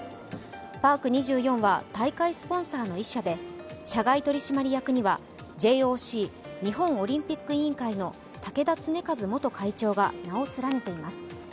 パーク２４は大会スポンサーの１社で社外取締役には、ＪＯＣ＝日本オリンピック委員会の竹田恆和元会長が名を連ねています。